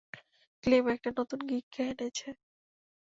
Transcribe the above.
Claim একটা নতুন গিককে এনেছে।